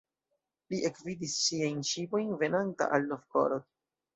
Li ekvidis siajn ŝipojn venanta al Novgorod.